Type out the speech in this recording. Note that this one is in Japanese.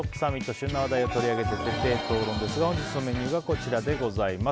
旬な話題を取り上げて徹底討論ですが本日のメニューがこちらです。